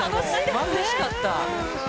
まぶしかった。